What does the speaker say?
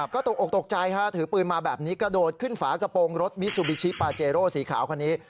ก็ตกออกตกใจถือปืนมาแบบนี้กระโดดขึ้นฝากระโปรงรถมิซูบิชิปาเจโร่สีขาวคันนี้